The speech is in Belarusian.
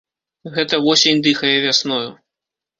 Гэта восень дыхае вясною.